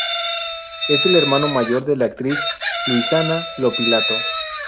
Es el hermano mayor de la actriz Luisana Lopilato.